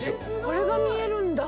これが見えるんだ。